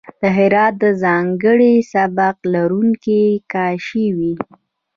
د هرات د ځانګړی سبک لرونکی کاشي وې.